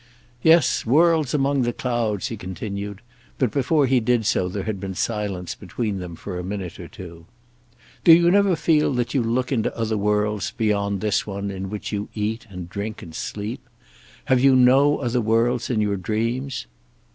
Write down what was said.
"Yes; worlds among the clouds," he continued; but before he did so there had been silence between them for a minute or two. "Do you never feel that you look into other worlds beyond this one in which you eat, and drink, and sleep? Have you no other worlds in your dreams?"